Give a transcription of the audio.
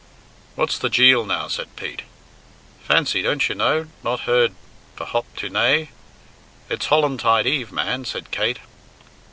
"What's the jeel now?" said Pete. "Fancy! Don't you know? Not heard f'Hop tu naa'? It's Hollantide Eve, man," said Kate.